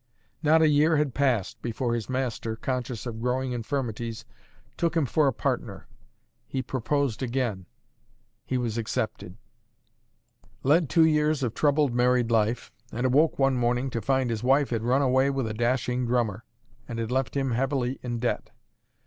Not a year had passed, before his master, conscious of growing infirmities, took him for a partner; he proposed again; he was accepted; led two years of troubled married life; and awoke one morning to find his wife had run away with a dashing drummer, and had left him heavily in debt.